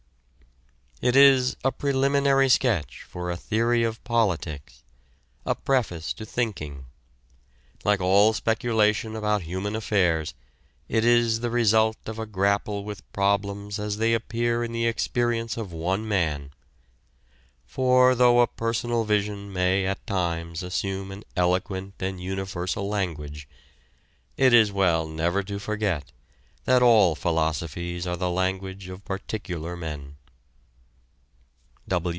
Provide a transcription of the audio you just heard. It is a preliminary sketch for a theory of politics, a preface to thinking. Like all speculation about human affairs, it is the result of a grapple with problems as they appear in the experience of one man. For though a personal vision may at times assume an eloquent and universal language, it is well never to forget that all philosophies are the language of particular men.